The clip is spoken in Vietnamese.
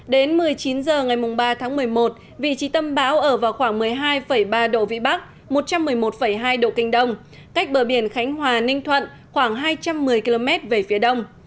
đến một mươi chín h ngày ba tháng một mươi một vị trí tâm bão ở vào khoảng một mươi hai ba độ vĩ bắc một trăm một mươi một hai độ kinh đông cách bờ biển khánh hòa ninh thuận khoảng hai trăm một mươi km về phía đông